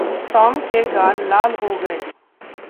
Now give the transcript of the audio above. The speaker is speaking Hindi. टॉम के गाल लाल हो गये।